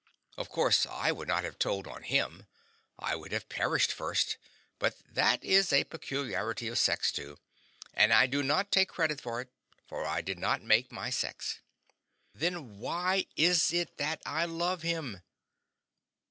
Of course I would not have told on him, I would have perished first; but that is a peculiarity of sex, too, and I do not take credit for it, for I did not make my sex. Then why is it that I love him?